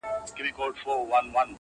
• رمې اوتري ګرځي -